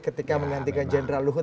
ketika menantikan jenderal luhut